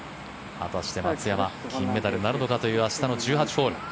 果たして松山金メダルなるのかという明日の１８ホール。